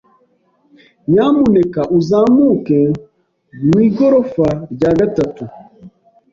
Nyamuneka uzamuke mu igorofa rya gatatu.